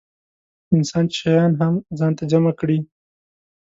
انسان چې شیان هم ځان ته جمع کړي.